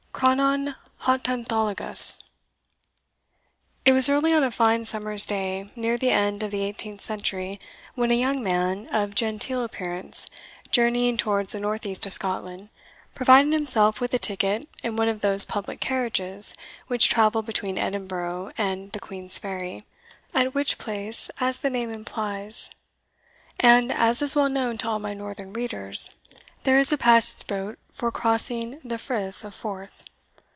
Chrononhotonthologos. It was early on a fine summer's day, near the end of the eighteenth century, when a young man, of genteel appearance, journeying towards the north east of Scotland, provided himself with a ticket in one of those public carriages which travel between Edinburgh and the Queensferry, at which place, as the name implies, and as is well known to all my northern readers, there is a passage boat for crossing the Firth of Forth.